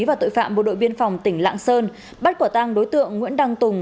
và tội phạm bộ đội biên phòng tỉnh lạng sơn bắt quả tang đối tượng nguyễn đăng tùng